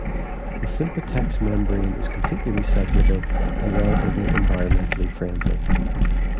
The SympaTex membrane is completely recyclable and relatively environmentally friendly.